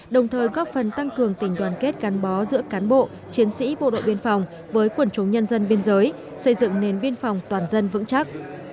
đồng thời góp phần tăng cường tình đoàn kết gắn bó giữa cán bộ chiến sĩ bộ đội biên phòng với quần chúng nhân dân biên giới xây dựng nền biên phòng toàn dân vững chắc